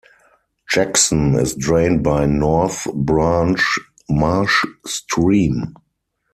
Jackson is drained by North Branch Marsh Stream.